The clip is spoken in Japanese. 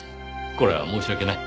これは申し訳ない。